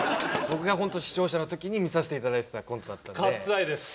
僕が本当視聴者のときに見させていただいてたコントだったので。